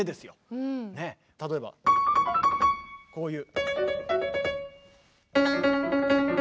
例えばこういう。